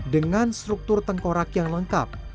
dengan struktur tengkorak yang lengkap